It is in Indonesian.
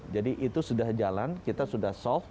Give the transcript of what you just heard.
jadi itu sudah jalan kita sudah solve